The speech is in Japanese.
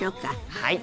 はい。